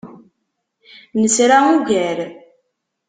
Nesra ugar.